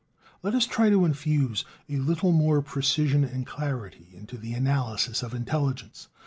Let us try to infuse a little more precision and clarity into the analysis of intelligence.